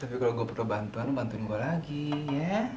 tapi kalau gua perlu bantuan lu bantuin gua lagi ya